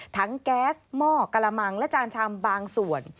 แก๊สหม้อกระมังและจานชามบางส่วน